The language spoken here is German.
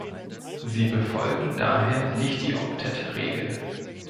Sie befolgen daher nicht die Oktettregel.